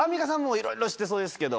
いろいろ知ってそうですけど。